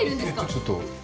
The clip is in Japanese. ちょっと。